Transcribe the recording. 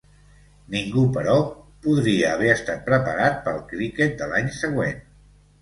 Ningú, però, podria haver estat preparat pel criquet de l'any següent.